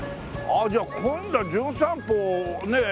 あじゃあ今度は『じゅん散歩』ねえ